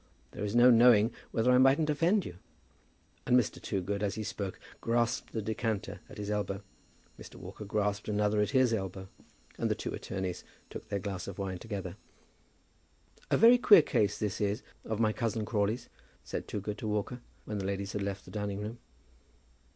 There is no knowing whether I mightn't offend you." And Mr. Toogood as he spoke grasped the decanter at his elbow. Mr. Walker grasped another at his elbow, and the two attorneys took their glass of wine together. "A very queer case this is of my cousin Crawley's," said Toogood to Walker, when the ladies had left the dining room.